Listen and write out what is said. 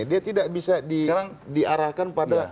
dia tidak bisa diarahkan pada